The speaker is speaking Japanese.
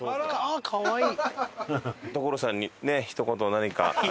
「かわいい！」